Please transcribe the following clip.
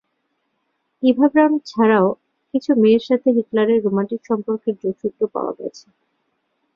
Eva Braun ছাড়াও কিছু মেয়ের সাথে হিটলারের রোমান্টিক সম্পর্কের যোগসূত্র পাওয়া গেছে।